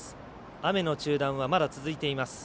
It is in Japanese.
雨の中断はまだ続いています。